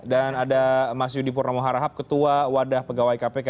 dan ada mas yudi purnamoharahap ketua wadah pegawai kpk